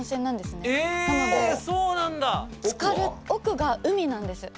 奧が海なんです。